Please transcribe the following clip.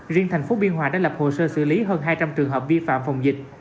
riêng thành phố biên hòa đã lập hồ sơ xử lý hơn hai trăm linh trường hợp vi phạm phòng dịch